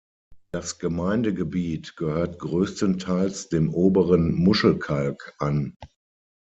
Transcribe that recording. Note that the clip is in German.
Das Gemeindegebiet gehört größtenteils dem oberen Muschelkalk an.